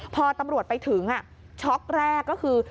พอตำรวจไปถึงช็อกแรกก็คือ